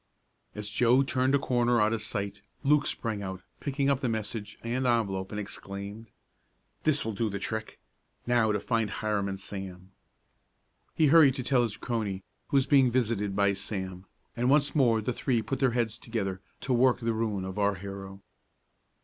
As Joe turned a corner out of sight, Luke sprang out, picked up the message and envelope, and exclaimed: "This will do the trick! Now to find Hiram and Sam." He hurried to tell his crony, who was being visited by Sam, and once more the three put their heads together, to work the ruin of our hero.